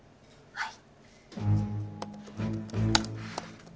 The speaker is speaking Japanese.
はい！